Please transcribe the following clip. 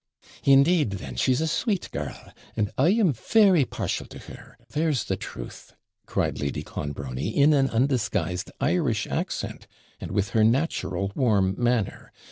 'Indeed then, she's a sweet girl, and I am very partial to her, there's the truth,' cried Lady Clonbrony, in an undisguised Irish accent, and with her natural warm manner.